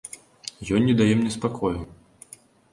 Ён не дае мне спакою.